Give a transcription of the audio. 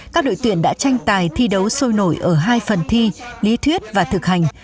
các đội tuyển đã tranh tài thi đấu sôi nổi ở hai phần thi lý thuyết và thực hành